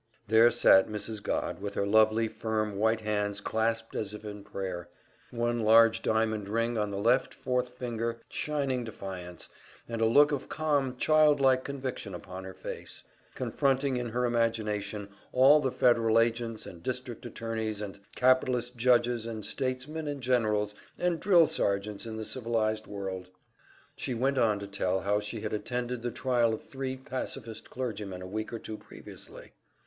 There sat Mrs. Godd, with her lovely firm white hands clasped as if in prayer, one large diamond ring on the left fourth finger shining defiance, and a look of calm, child like conviction upon her face, confronting in her imagination all the federal agents and district attorneys and capitalist judges and statesmen and generals and drill sergeants in the civilized world. She went on to tell how she had attended the trial of three pacifist clergymen a week or two previously.